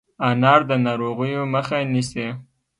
انار د ناروغیو مخه نیسي.